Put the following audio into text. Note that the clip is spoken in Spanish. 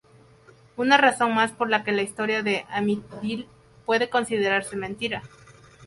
Una razón más por la que la historia de Amityville puede considerarse mentira.